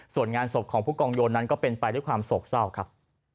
ส่วนงานศพของผู้กองโยนนั้นก็เป็นไปด้วยความโศกเศร้าครับ